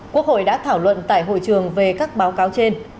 quốc hội đã thảo luận tại hội trường về các báo cáo trên